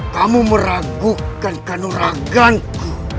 kamu meragukan kanuraganku